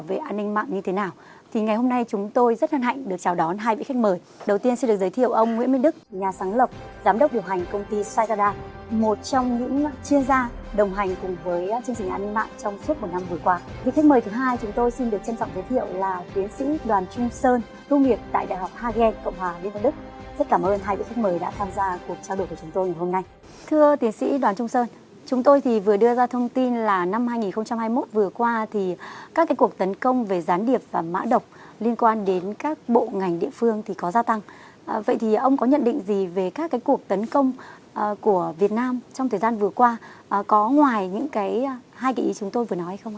vậy thì ông có nhận định gì về các cuộc tấn công của việt nam trong thời gian vừa qua có ngoài những hai kỷ ý chúng tôi vừa nói không ạ